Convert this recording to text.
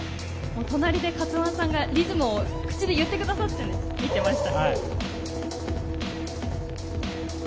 隣でＫＡＴＳＵＯＮＥさんがリズムを口で言ってくださってました。